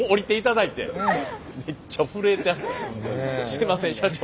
すいません社長。